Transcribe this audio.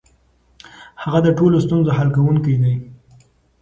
هغه د ټولو ستونزو حل کونکی دی.